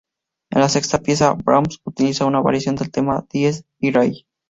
En la sexta pieza Brahms utilizó una variación del tema "Dies irae".